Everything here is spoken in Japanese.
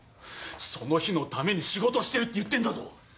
その日のために仕事してるって言ってんだぞ。